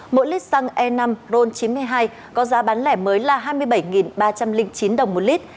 mỗi lít xăng e năm ron chín mươi hai có giá bán lẻ mới là hai mươi bảy ba trăm linh chín đồng một lít